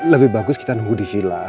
lebih bagus kita nunggu di hilal